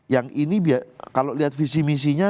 yang ini kalau lihat visi misinya